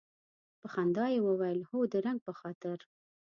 په خندا یې وویل هو د رنګ په خاطر.